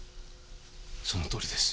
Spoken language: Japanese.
そのとおりです。